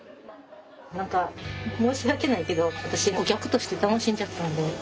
何か申し訳ないけど私お客として楽しんじゃったので。